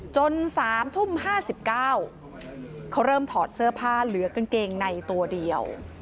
๓ทุ่ม๕๙เขาเริ่มถอดเสื้อผ้าเหลือกางเกงในตัวเดียว